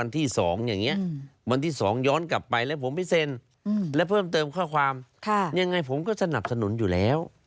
นี่เซ็นรับการแก้ไหนใช่ไหมคะ